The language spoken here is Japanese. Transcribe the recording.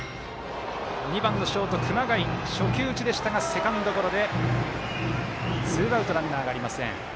２番、ショートの熊谷初球打ちでしたがセカンドゴロでツーアウトランナーがありません。